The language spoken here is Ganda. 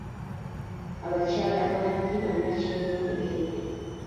Abakyala bangi bannakyeyombekedde.